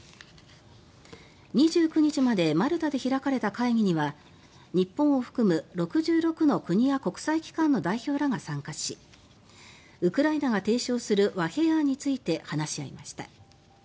２９日までマルタで開かれた会議には日本を含む６６の国や国際機関の代表らが参加しウクライナが提唱する和平案について話し合いました。